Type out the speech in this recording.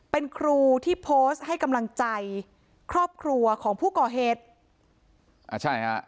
เป็นครูที่โพสต์ให้กำลังใจครอบครัวของผู้ก่อเหตุอ่าใช่ฮะ